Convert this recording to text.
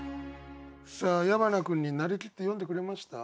さあ矢花君に成りきって詠んでくれました？